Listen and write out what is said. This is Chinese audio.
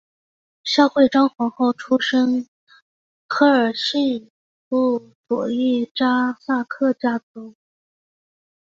孝惠章皇后出身科尔沁部左翼扎萨克家族。